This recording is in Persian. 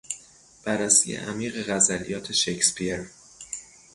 بررسی عمیق غزلیات شکسپیر